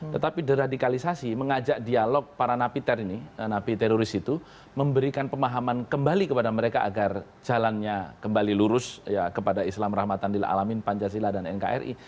tetapi deradikalisasi mengajak dialog para napi teroris napi teroris itu memberikan pemahaman kembali kepada mereka agar jalannya kembali lurus kepada islam rahmatan lil alamin pancasila dan nkri